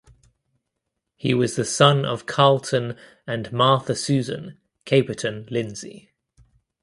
He was the son of Carlton and Martha Susan (Caperton) Lindsey.